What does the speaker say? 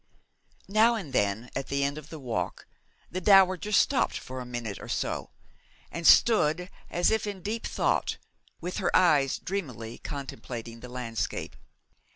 Now and then at the end of the walk the dowager stopped for a minute or so, and stood as if in deep thought, with her eyes dreamily contemplating the landscape.